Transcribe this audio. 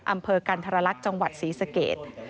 อำเภอกันธรรลักษณ์จังหวัดศรีสเกต